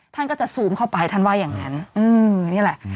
ท่านก็จะซูมเข้าไปท่านว่าอย่างนั้นนี่แหละ